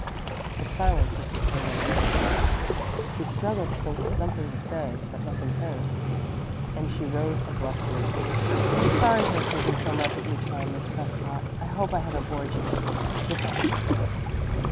The silence was becoming unbearable; she struggled to think of something to say, but nothing came, and she rose abruptly. "I'm sorry to have taken so much of your time, Miss Prescott. I hope I haven't bored you. Good night."